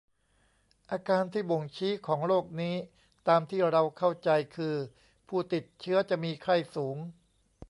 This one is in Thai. อาการที่บ่งชี้ของโรคนี้ตามที่เราเข้าใจคือผู้ติดเชื้อจะมีไข้สูง